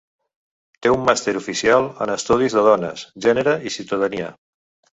Té un Màster Oficial en Estudis de Dones, Gènere i Ciutadania.